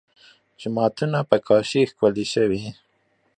جوماتونه په کاشي ښکلي شوي.